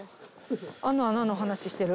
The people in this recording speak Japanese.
あの穴の話してる？